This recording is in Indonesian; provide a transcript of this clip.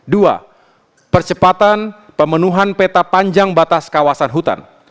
dua percepatan pemenuhan peta panjang batas kawasan hutan